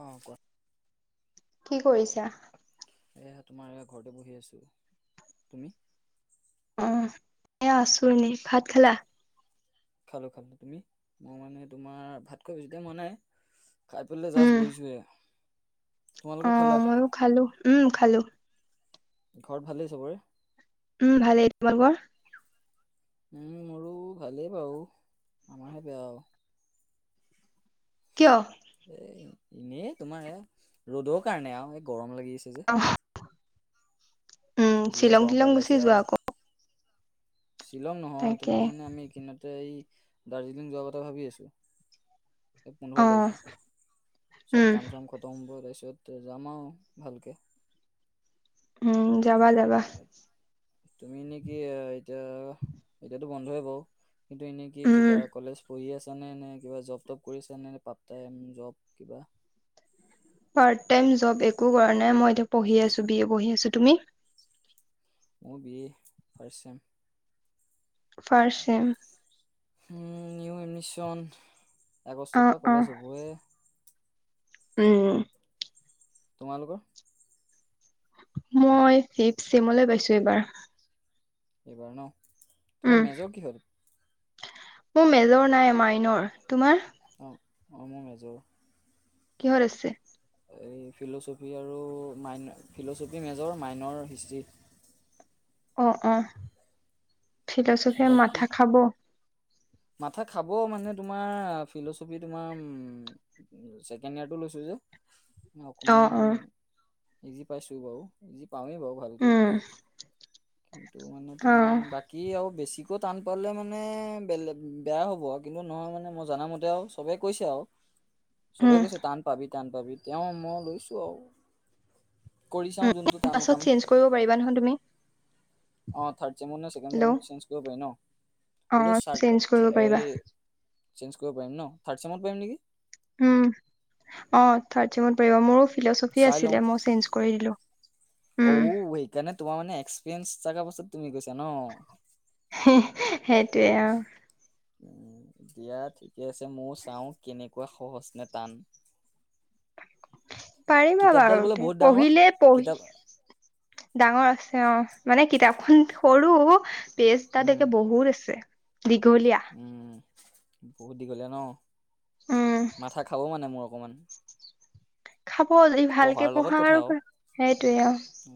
অহ কোৱা? কি কৰিছা? এয়া তোমাৰ এ ঘৰতে বহি আছো, তুমি? অঁ, এ আছো এনেই ভাত খালা? খালো খালো তুমি মই মানে তোমাৰ ভাত খোৱা বেছি টাইম হোৱা নাই। খাই পেলাই উম জাষ্ট বহিছোহে, অ তোমালোকে খালা? ময়ো খালো উম খালো। ঘৰত ভালেই চবৰে। উম ভালেই, তোমালোকৰ? উম মোৰো ভালেই বাৰু আমাৰহে বেয়া আও। কিয়? এ এনেই তোমাৰ এয়া ৰ'দৰ কাৰণে আৰু এই গৰম লাগি আছে যে। অহ, উম যিহে শ্বিলং গৰম টিলং পেলাইছে গুচি যোৱা আৰু আক। শ্বিলং নহয় তাকে তোমাৰ মানে আমি এইকেইদিনতে এই দাৰ্জিলিং যোৱাৰ কথা ভাবি আছো। এই অ পোন্ধৰ তাৰিখে চব উম কাম চাম খতম হ'ব তাৰপিছত যাম আও ভালকে। উম যাবা যাবা। তুমি এনেই কি এতিয়া এতিয়াতো বন্ধ‌ই হব। কিন্তু এনেই কি উম কিবা কলেজ পঢ়ি আছা নে নে কিবা জব টব কৰি আছা নে নে পাৰ্ট টাইম জব। কিবা। পাৰ্ট টাইম জব একো কৰা নাই মই এতিয়া পঢ়ি আছো বি এ পঢ়ি আছো, তুমি? মোৰ B A first sem. First sem um, new admission অ আগষ্টৰ পৰা অ কলেজ হ'বহে। উম। তোমালোকৰ মই ফিফ্ ছেমলে পাইছো এইবাৰ। এইবাৰ ন, উম তোমাৰ মেজৰ কি হত? মোৰ মেজৰ নাই মাইনৰ, তোমাৰ? অহ অহ মোৰ মেজৰ কিহত আছে। এই ফিল'চফি আৰু main philosophy major minor history. অ, অ ফিলচফিয়ে বাকী মাথা খাব। মাথা খাব মানে তোমাৰ ফিলচফি তোমাৰ উ। ছেকেণ্ড ইয়াৰ টো লৈছো যে। ম অ অকমান অ ইজি পাইছো বাৰু ইজি পাওঁৱেই বাৰু ভাল। কী উম কিন্তু মানে অ তোমাৰ। কি আৰু বেছিকৈ টান পালে মানে বেলেপ বেয়া হ'ব। কিন্তু নহয় মানে মই জনামতে আও চবেই কৈছে আও উম চবেই কৈছে টান। পাবি টান পাবি তেওঁ মই লৈছো আও। উম ইয়াৰ পাছত কাম চেঞ্জ কৰিব পাৰিবা নহয় তুমি। অ থাৰ্ড চেমেত নে ছেকেণ্ড হেল্ল' চেমত চেঞ্জ কৰিব পাৰি ন। অ বোলো চেঞ্জ চাট কৰিব থে পাৰিবা হেৰি চেঞ্জ কৰিব পাৰিম ন থাৰ্ড চেমত পাৰিম নেকি। উ অ থাৰ্ড চমত পৰিবা মোৰো ফিলচফি চাই লওঁ আছিলে মই চেঞ্জ কৰি দিলোঁ। উম। যেনে তোমাৰ মানে একসেৰিেঞ্চ থকা পাছত তুমি কৈছা ন। সেইটোৱে আও। উ দিয়া ঠিকে আছে ময়ো চাও কেনেকুৱা সহজ নে টান। পাৰিবা কিতাপডাল বাৰু বোলে তে বহুত ডাঙৰ পঢ়িলে পঢ়ি কিতাপ ডাঙৰ আছে অ মানে কিতাপখন সৰু পেজ তাতে উম বহুত। বহুত আছে দীঘলীয়া। উম, বহুত দীঘলীয়া ন। উম মাথা খাব মানে মোৰ অকণমান। খাব ভালকে পঢ়া আৰু পাই, সেইটোৱে আও। উ,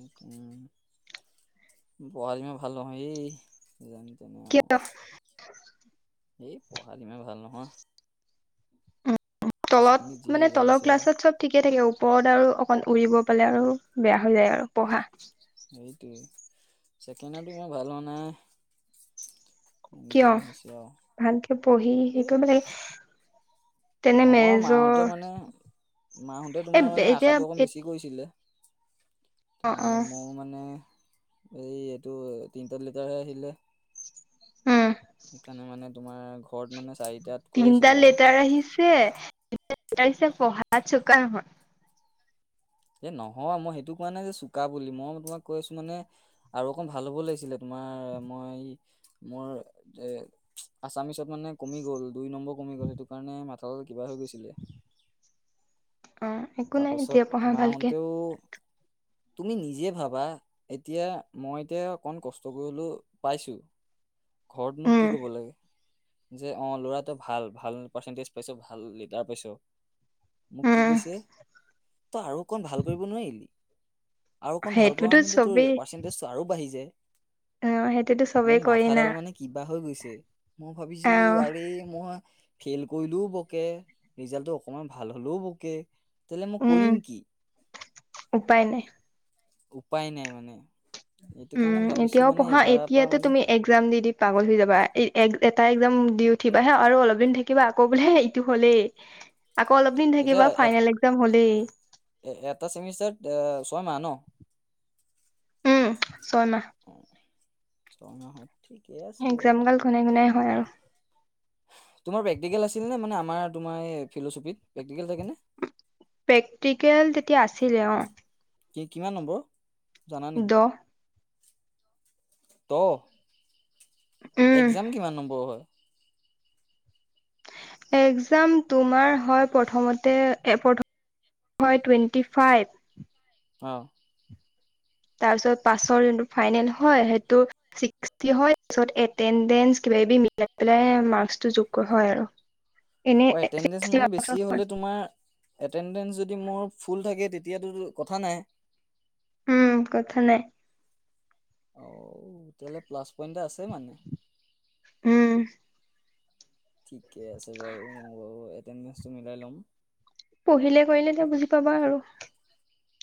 উ পঢ়াত ইমান ভাল নহয় এই। যেন তেনে আও। এই পঢ়া ইমান ভাল নহয়। হায়াৰ তলত ছেকেণ্ডেৰীত যিহে মানে ৰিজাল্ট তলৰ হৈছে আৰু ক্লাছত চব ঠিকে থাকে ওপৰত আৰু অকন উৰিব পালে আৰু বেয়া হৈ যায় আৰু পঢ়া। সেইটোৱে ছেকেণ্ডাৰটো ইমান ভাল হোৱা নাই। যেনে কিয় তেনে হৈছে আৰু ভালকে পঢ়ি সেই এই কৰিব লাগে। তেনে নহয় মেজৰ মাহঁতে মানে, মাহঁতে এ তোমাৰ মানে এতিয়া আশাটো অকণ বেছি কৰিছিলে। অ তোমাৰ অ মোৰ মানে এই এইটো তিনিটা লিটাৰহে আহিলে। উম। সেইকাৰণে মানে তোমাৰ ঘৰত মানে চাৰিটাত কৈ আছিলে তিনটাত আৰু লেটাৰ আহিছে, তিনিটা লেটাৰ আহিছে পঢ়াত চোকা নহয়। এ নহয় মই সেইটো কোৱা নাই যে চুকা বুলি মই তোমাক কৈ আছো মানে আৰু অকণ ভাল হ'ব লাগিছিলে তোমাৰ মই মোৰ এ আছামিচত মানে কমি গ'ল দুই নম্বৰ কমি গ'ল সেইটো কাৰণে মাথাউ কিবা হৈ গৈছিলে। অ একো নাই এতিয়া পঢ়া ভালকে। অ তুমি নিজে ভাবা, এতিয়া মই এতিয়া অকন কষ্ট কৰিলো পাইছো। ঘৰত মোক উম কি ক'ব লাগে? যে অ ল'ৰাটো ভাল ভাল পাৰ্চেন্টেজ পাইছো ভাল লিডাৰ পাইছ। মোক কি উম কৈছে, তই আৰু অকণ ভাল কৰিব নোৱাৰিলি? আৰু অকণ ভাল সেইটোতো কৰােঁতে তোৰ চবেই পাৰ্চেন্টেজটো আৰু বাঢ়ি যায়। অ সেইটোতো মোৰ চবেই কয় মাথাডাল না। মানে কিবা হৈ গৈছে, মই অ ভাবিছো আৰে মই ফেইল কৰিলেও বকে, ৰিজাল্টটো অকণমান ভাল হ'লেও বকে, তেতিয়াহ'লে মই উম কৰিম কি? উপায় নাই। উপায় নাই মানে এইটো কাৰণে ভাবিছো মানে এবাৰ পা মানে একজাম দি দি পাগল হৈ যাবা, এই এক এটা একজাম দি উঠিবা হে আৰু অলপ দিন থাকিবা আকৌ বোলে ইটো হ'লেই। আকৌ অলপ দিন এতিয়া থাকিবা ফাইনেল এ- একজাম হলেই। এ এটা চেমিষ্টাৰত এ ছয় মাহ ন? উম ছয় মাহ। অঁ ছমাহত ঠিকেই আছে বাও। ঘণাই ঘণাই হয় আও। তোমাৰ প্ৰেক্টিকেল আছিল নে মানে আমাৰ তোমাৰ এ ফিল'চফিত প্ৰেক্টিকেল থাকে নে? প্ৰেক্টিকেল তেতিয়া আছিলে অঁ। কি কিমান নম্বৰ, জানা নেকি? দহ ত, উম একজাম কিমান নম্বৰ হয়? একজাম তোমাৰ হয় প্ৰথমতে এফৌত হয় টুৱেণ্টি ফাইভ। অঁ। তাৰ পিছত পাছৰ যোনটো ফাইনেল হয় সেইটো ছিক্সটি হয়, তাৰপাছত এটেনদেন্স কিবা কিবি মিলাই পেলাই মাক্সটো যোগ ক হয় আৰু। [unintelligible] অ এটেনডেচ ছিক্সটি মানে বেছি হ'লে তোমাৰ এটেণ্ডেঞ্চ যদি মোৰ ফুল থাকে তেতিয়াতোতো কথা নাই। উম কথা নাই। অও তেতিয়াহ'লে প্লাছ পইণ্টটা আছে মানে। উম। ঠিকে আছে বাৰু মই বাও এটেণ্ডেঞ্চটো মিলাই লম। পঢ়িলে কৰিলে তেও বুজি পাবা আৰু।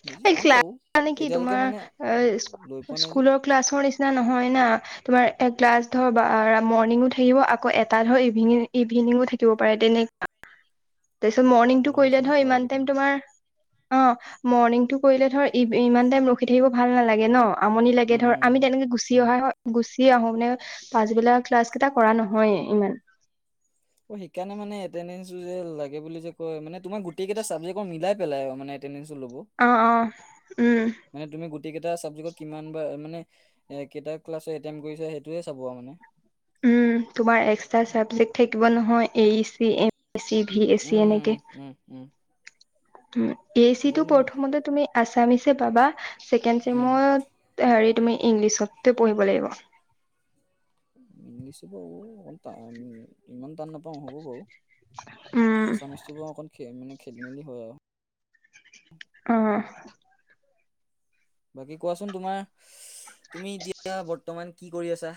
বুজি এই পাম বাৰু ক্লাছ নেকি এতিয়ালৈকে মানে তোমাৰ এই লৈ স্কু পোৱা নাই যে স্কুল ক্লাছৰ নিচিনা নহয় না। তোমাৰ এগ্লাছ ধৰ বা আ মৰ্ণিঙো থাকিব আকৌ এটা ধৰ ইভিনি ইভিনিঙো থাকিব পাৰে তেনেকা। তাৰপিছত মৰ্ণিংটো পাগলৰ কৰিলে নিচিনা ধৰ কৰাই ইমান দেখোন টাইম উম তোমাৰ অঁ মৰ্ণিংটো কৰিলে ধৰ ই ইমান টাইম ৰখি থাকিব ভাল নালাগে ন? আমনি লাগে ধৰ, উম আমি তেনেকে গুচি উম উম অহা হয়। গুচি আহো মানে পাছবেলা ক্লাছ কেটা কৰা নহয়ে ইমান। অ সেইকাৰণে মান এটেনডেঞ্চটো যে লাগে বুলি যে কয় মানে তোমাৰ গোটেই কেইটা চাবজেক্ট মিলাই পেলাই মানে টেণ্ডেন্সটো ল'ব, অ অ উম মানে তুমি গোটেইগেটা চাবজেকটত কিমান বা মানে এ কেইটা ক্লাছ এটেন কৰিছে সেইটোৱে চাব আ মানে। উম তোমাৰ এক্সট্ৰা চাবজেক্ট থাকিব নহয় A E C, A C V um AC um এনেকে। উম উম। উম এ ই চিটো এইগাল মই প্ৰথমতে তুমি আছামিছে পাবা ছেকেণ্ড উম, চেমত তে হেৰি তুমি ইংলিছততে পঢ়িব লাগিব। নি নিিছু ব অ ত [inaudible] ইমান টান নাপাওঁ হ'ব বাৰু, উম আছামিজটো বাৰু অকণ মানে খেলি মেলি হয় আৰু। অঁ। বাকী কোৱাচোন তোমাৰ ইচ তুমি এতিয়া বৰ্তমান কি কৰি আছা?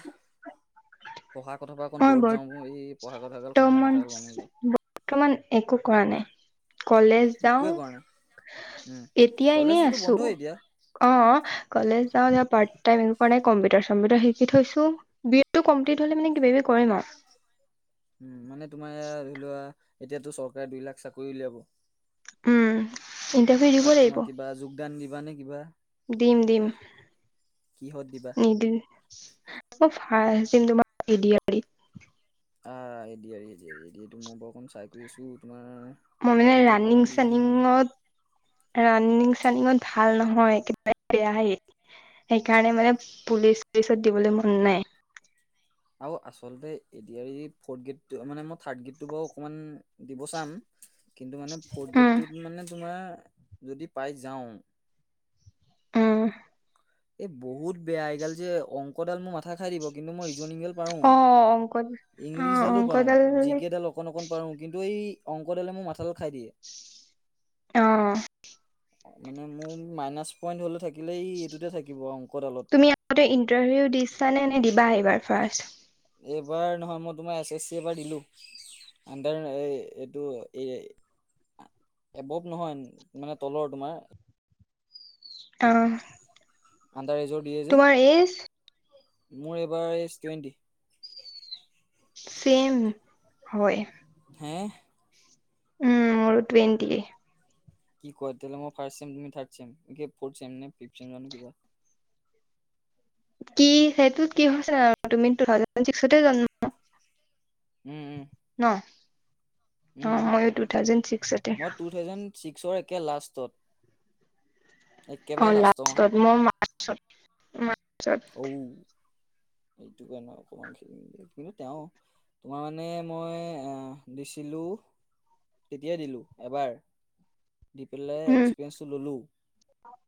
পঢ়া কথাৰ পৰা অকণ মই দূৰত যাওঁ এই পঢ়া কথা গাল শুনিলে মাথা গৰম হৈ যায়। অকমান একো কৰা নাই। কলেজ যাও, একোৱে কৰা নাই উম। আহ এতিয়া ইনেই কলেজতো আছো। বন্ধই এতিয়া অঁ কলেজ যাওঁ যাও পাৰট টাইম এনেকুৱা নাই কম্পিটাৰ - চম্পিটাৰ শিকি থৈছো। টো কমপ্লিত হ'লে মানে কিবা -কিবি কৰিম আৰু। উম মানে তোমাৰ ধৰি লোৱা এতিয়াতো চৰকাৰে দুই লাখ চাকৰি উলিয়াব। উম ইণ্টাৰভিউ দিব তাত লাগিব তোমাৰ কিবা যোগদান দিবা নে কিবা? দিম দিম, কিহত দিবা? নিদিম। মই ভাবিছিলো তোমাৰ এ দি আৰ ই। আহ A D R E A D R E A D R E মই বৰ অকন ট্ৰাই কৰি আছো তোমাৰ। মই এইবাৰ মানে যদি ৰানিং পাওঁ দি দিম আৰু। চানিংত ৰানিং চানিঙত ভাল নহয় একেবাৰে বেয়াহেই। সেইকাৰণে মানে পুলিচ - চুলিচত দিবলৈ মন নাই। আৰু আচলতে এ দি আৰ ই ফথ' গ্ৰেড মানে মই থাৰ্ড গ্ৰেডটো বাৰু অকমান দিব চাম। কিন্তু মানে ফৰ্থ গেটটোত মানে তোমাৰ যদি পাই যাওঁ। উম। এ বহুত বেয়া এইগাল যে অংকডাল মোৰ মাথা থা খাই দিব কিন্তু মই ৰিজনিকেল পাওঁ, অ অংকত অ ইংলিছ ডালো পাওঁ, অংকডাল জিকেডাল অ কণ অকণ পাৰো কিন্তু এই অংকডালে মোক মাথাটো খাই দিয়ে। অ। মানে মোৰ মাইনাচ পইণ্ট হলে থাকিলে এই এইটোতে থাকিব অংকডালত। তুমি আগতে ইণ্টাৰভিউ দিছা নে নে দিবা এইবাৰ ফাৰ্ষ্ট। এইবাৰ নহয় মই তোমাৰ এছ এছ চি এবাৰ দিলো। আণ্ডাৰ এই এইটো এই এবভ নহয় মানে তলৰ তোমাৰ অ আণ্ডাৰ এজৰ দিয়ে যে। তোমাৰ এজ মোৰ এইবাৰ এইজ টুৱেণ্টি। চেম হয়। হে! উম মোৰো টুৱেণ্টি। কি কোৱা তেতিয়া মই ফাৰ্ষ্ট চেম তুমি থাৰড ছেম, কি ফৰট চেম নে ফ্ৰীপ চেম নাজানো কিবা? কি সেইটোত কি হৈছে নাজানো তুমি টু থাউজেন্দ ছিক্সতে জন্ম উম উম। ন, অ উম মইও টু থাউজেন্দ ছিক্সতে। মই টু থাউজেণ্ড ছিক্সৰ একে লাষ্টত। অ একেবাৰে লাষ্টৰ মাহত লাষ্টত মই মাৰ্চত। মাৰ্চত অও এইটো কাৰণে অকমান খেলি মেলি কিন্তু তেওঁ তোমাৰ মানে মই এ দিছিলোঁ তেতিয়াাই দিলো এবাৰ, দি পেলাই উম একছ পিয়াছটো ললো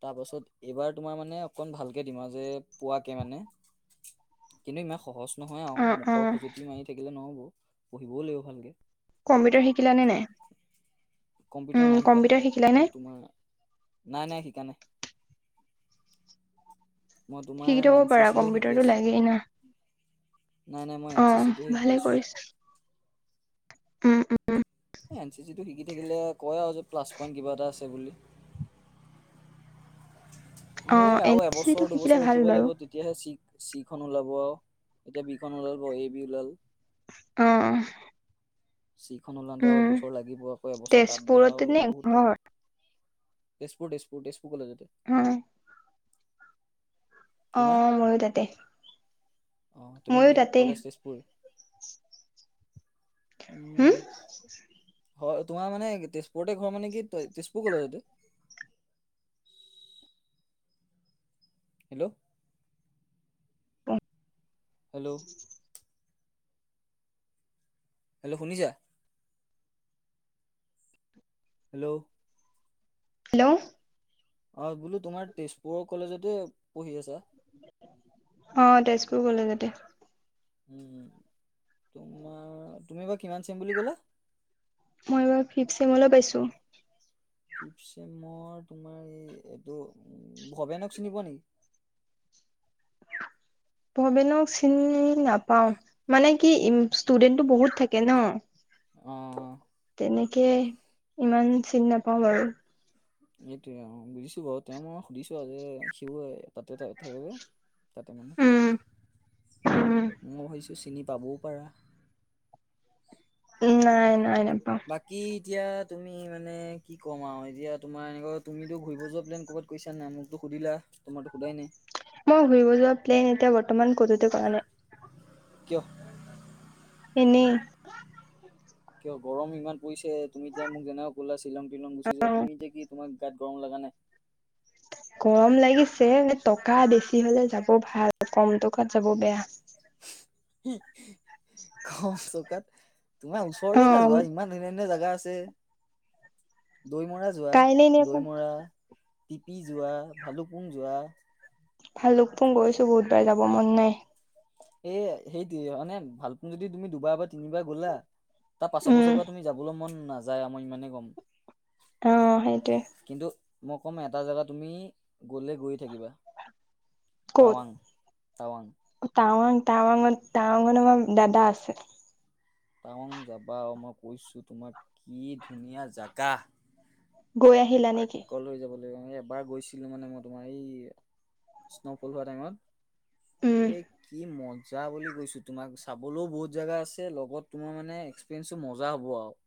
তাৰপাছত এইবাৰ তোমাৰ মানে অকণ ভালকৈ দিম আৰু যে পোৱাকে মানে কিন্তু ইমান সহজ নহয় অ আৰু অ মুখৰ খজুতি মাৰি থাকিলে নহব, পঢ়িবও লাগিব ভালকে। কম্পিউটাৰ শিকিলা নে নাই? কম্পিউটাৰ উম নাই শিকা কম্পিউটাৰ শিকিলা মোৰ নে? তোমাৰ নাই নাই শিকা নাই। মই তোমাৰ শিকি থব এন চি পাৰা চিহে শিকি কম্পিউটাৰো আছো লাগেই না? নাই নাই মই এন চি অঁহ চিটোহে শিকি ভালেই আছো কৰিছা। উম এ' এন চি চিটো শিকি থাকিলে কয় আৰু যে প্লাছ পইণ্ট কিবা এটা আছে বুলি। উম অ সেইয়াই আৰু এন চি চি এবছৰ টো শিকিলে -দুবছৰ ভাল ৰখিব বাৰু লাগিব দি এতিয়াহে চি চি খন ওলাব এতিয়া বি খন ওলাল এ বি ওলাল। অ অ। চিখন ওলাওঁতে আৰু এবছৰ লাগিব আকৌ এবছৰ তাত দে তেজপুৰতে আউ নে বহুত টাইম। ঘৰ তেজপুৰ তেজপুৰ তেজপুৰ কলেজতে। উম। অ মোৰো তাতে। আহ তুমি ময়ো কি তাতে কলেজ তেজপুৰ? উম, হুম হয় তোমাৰ মানে তেজপুৰতে ঘৰ মানে কি ত তেজপুৰ কলেজতে? হেল্ল'? অঁহ। হেল্ল'! হেল্ল' শুনিছা? হেল্ল'! হেল্ল'। অঁ বোলো তোমাৰ তেজপুৰৰ কলেজতে পঢ়ি আছা? অঁহ তেজপুৰ কলেজতে। উম উম, তোমাৰ তুমি এইবাৰ কিমান চেম বুলি ক'লা? মই এইবাৰ ফিফ চেমলৈ পাইছো। ফিফ চেমৰ তোমাৰ এই এইটো ভবেনক চিনি পোৱা নেকি? ভবেনক চিনি নাপাও। মানে কি ই ষ্টুডেন্টটো বহুত থাকে ন'? অঁ। তেনেকে ইমান চিনি নাপাওঁ বাৰু। এইটোয়ে অঁহ বুজিছো বাৰু তেওঁক মই সুধিছো আৰু যে সিও তাতে থা থাকে যে? তা'তে মানে। উম উম মই ভাবিছোঁ চিনি পাবও পাৰা? উমঁ নাই নাই নেপাও। বাকী' এতিয়া তুমি মানে কি ক'ম আৰু এতিয়া তোমাৰ এনেকুৱা তুমিটো ঘূৰিব যোৱা প্লেন কৰ'বাত কৰিছা নাই? মোকতো সুধিলা তোমাক তো সোধাই নাই? মই ঘূৰিব যোৱা প্লেইন এতিয়া বৰ্তমান ক'তোতে কৰা নাই। কিয়? এনেই। কিয় গৰম ইমান পৰিছে, তুমি এতিয়া মোক যেনেকুৱা কৰিলা শ্বিলং- টিলং গুচি যোৱা। অ', তুমি এতিয়া কি তোমাৰ গাত গৰম লগা নাই? গৰম লাগিছে মানে টকা বেছি হ'লে যাব ভাল, ক'ম টকাত যাব বেয়া। কি' কম টকাত, তোমাৰ অ ওচৰতে যোৱা ইমান ধূনীয়া ধূনীয়া জেগা আছে। দৈমৰা যোৱা কাইলে এনে দৈমৰা টিপি যোৱা, ভালুকপুং যোৱা। ভালুকপুং গৈছো বহুতবাৰ যাব মন নাই। এই সেইটোৱেই মানে ভালুকপুং যদি তুমি দুবাৰ বা তিনিবাৰ গ'লা তাৰ পাচৰ উম বছৰৰ পৰা তুমি যাবলৈ মন নাযায় আৰু মই ইমানেই ক'ম। অঁহ সেইটোৱেই। কিন্তু মই ক'ম এটা জেগা তুমি গ'লে গৈ থাকিবা। টাৱাং টাৱাং। অ টাৱাং টাৱাংত টাৱাংত আমাৰ দাদা আছে। টাৱাং যাবা অ' মই কৈছো তোমাক কি ধুনীয়া জাগা। গৈ আহিল পাৰ্ক কলৈ যাবলৈ অঁ। এবাৰ গৈছিলো মানে মই তোমাৰ এই স্ন'ফল হোৱা টাইমত? উম অ এই কি' ম যা বুলি কৈছো, তোমাক চাবলৈও বহুত জোগা আছে লগত তোমাৰ মানে এক্সপিৰিয়েনছটো মজা হ'ব আৰু।